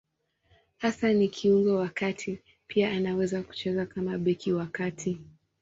Hasa ni kiungo wa kati; pia anaweza kucheza kama beki wa kati.